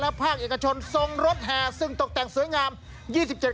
และภาคเอกชนทรงรถแห่ซึ่งตกแต่งสวยงามยี่สิบเจ็ด